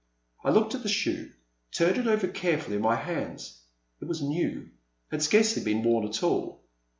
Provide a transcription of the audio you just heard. I looked at the shoe, turning it over carefully in my hands. It was new — had scarcely been worn at all.